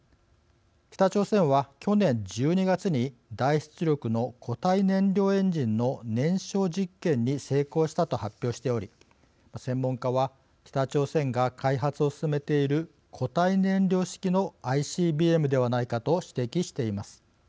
北朝鮮は去年１２月に大出力の固体燃料エンジンの燃焼実験に成功したと発表しており、専門家は北朝鮮が開発を進めている固体燃料式のＩＣＢＭではないかと指摘しています。